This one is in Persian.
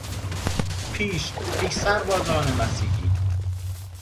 به پیش، ای سربازان مسیحی...!